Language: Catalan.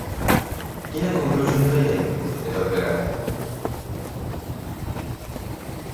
Quina conclusió en traiem, de tot plegat?